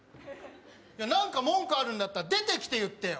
いや何か文句あるんだったら出てきて言ってよ